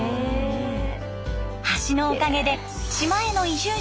橋のおかげで島への移住者も増加。